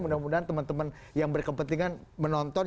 mudah mudahan teman teman yang berkepentingan menonton